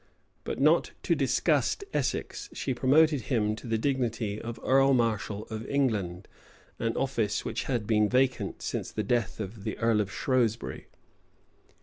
But not to disgust Essex, she promoted him to the dignity of earl marshal of England; an office which had been vacant since the death of the earl of Shrewsbury.